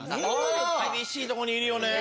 厳しいとこにいるよね！